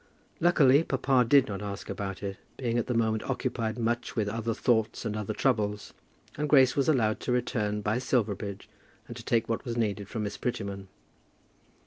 Luckily papa did not ask about it, being at the moment occupied much with other thoughts and other troubles, and Grace was allowed to return by Silverbridge, and to take what was needed from Miss Prettyman.